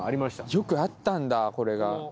よくあったんだこれが。